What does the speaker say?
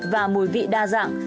và mùi vị đa dạng